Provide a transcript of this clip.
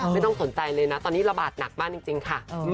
ไม่ต้องสนใจเลยนะตอนนี้ระบาดหนักมากจริงค่ะ